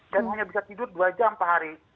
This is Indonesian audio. dan hanya bisa tidur dua jam sehari